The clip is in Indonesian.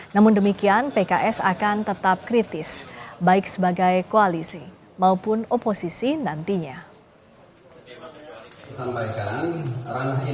namun demikian pks akan tetap kritis baik sebagai koalisi maupun oposisi nantinya